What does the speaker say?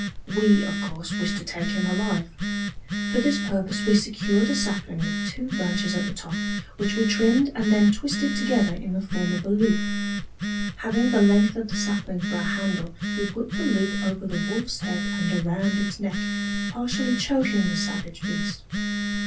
We, of course, wished to take him alive. For this purpose we secured a sapling with two branches at the top, which we trimmed and then twisted together in the form of a loop. Having the length of the sapling for a handle, we put the loop over the wolfs head and around its neck, partially choking the savage beast.